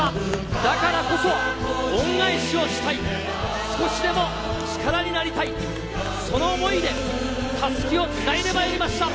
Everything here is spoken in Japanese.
だからこそ、恩返しをしたい、少しでも力になりたい、その想いでたすきをつないでまいりました。